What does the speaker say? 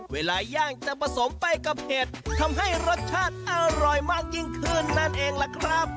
ย่างจะผสมไปกับเห็ดทำให้รสชาติอร่อยมากยิ่งขึ้นนั่นเองล่ะครับ